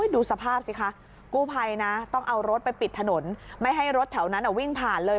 ดูสภาพสิคะกู้ภัยนะต้องเอารถไปปิดถนนไม่ให้รถแถวนั้นวิ่งผ่านเลย